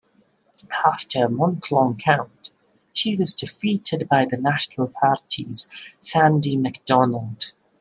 After a month-long count, she was defeated by the National Party's Sandy Macdonald.